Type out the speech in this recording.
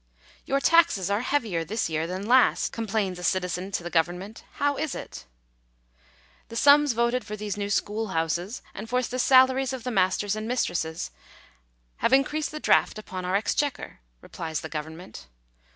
"Your taxes are heavier this year than last/' complains a citizen to the government ;" how is it ?"" The sums voted for these new school houses, and for the salaries of the masters and mistresses, have increased the draught upon our exchequer," replies the government.